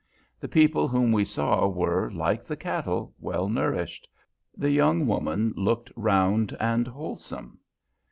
The people whom we saw were, like the cattle, well nourished; the young women looked round and wholesome.